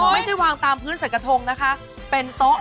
ไม่ใช่วางตามพื้นใส่กระทงนะคะเป็นโต๊ะ